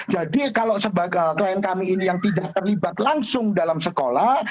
jadi kalau sebagai klien kami ini yang tidak terlibat langsung dalam sekolah